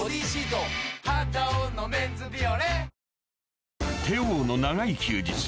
「肌男のメンズビオレ」